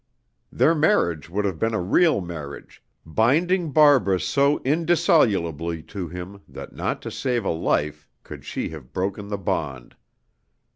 Their marriage would have been a real marriage, binding Barbara so indissolubly to him that not to save a life could she have broken the bond.